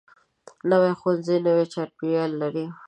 نوی ښوونځی نوی چاپیریال لري